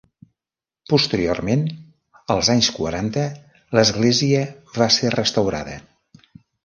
Posteriorment, els anys quaranta, l'església va ser restaurada.